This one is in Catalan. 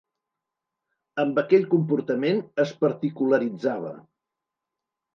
Amb aquell comportament es particularitzava.